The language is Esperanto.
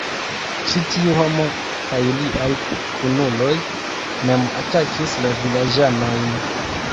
Ĉi tiu homo kaj liaj kunuloj mem atakis la vilaĝanojn.